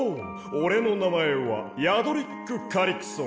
おれのなまえはヤドリック・カリクソン。